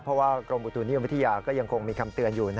เพราะว่ากรมอุตุนิยมวิทยาก็ยังคงมีคำเตือนอยู่